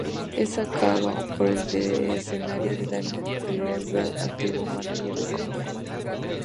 Es sacado del escenario por Danny Goldberg, antiguo mánager de Cobain.